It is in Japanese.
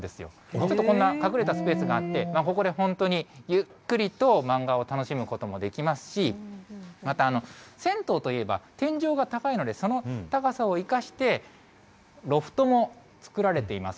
ちょっとこんな、隠れたスペースがあって、ここで本当にゆっくりと漫画を楽しむこともできますし、また、銭湯といえば、天井が高いので、その高さを生かして、ロフトも作られています。